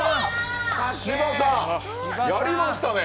しばさん、やりましたね。